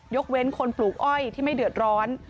กเว้นคนปลูกอ้อยที่ไม่เดือดร้อน